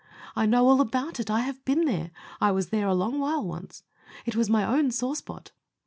I know all about it; I have been there. I was there a long while once. It was my own sore spot.